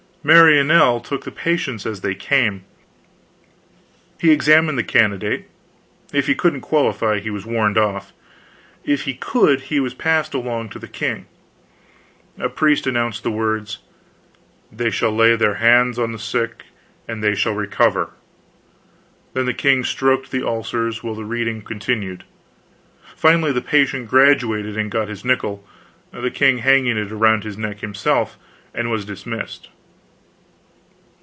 Marinel took the patients as they came. He examined the candidate; if he couldn't qualify he was warned off; if he could he was passed along to the king. A priest pronounced the words, "They shall lay their hands on the sick, and they shall recover." Then the king stroked the ulcers, while the reading continued; finally, the patient graduated and got his nickel the king hanging it around his neck himself and was dismissed.